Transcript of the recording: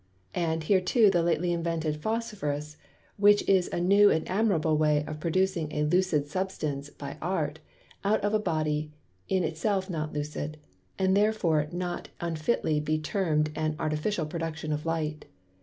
Add hereto the lately invented Phosphorus, which is a new and admirable way of producing a Lucid Substance by Art, out of a Body in itself not Lucid; and therefore may not unfitly be term'd an Artificial production of Light.